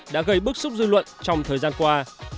đã gây bức xúc dư luận trong thời gian qua